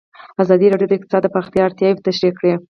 ازادي راډیو د اقتصاد د پراختیا اړتیاوې تشریح کړي.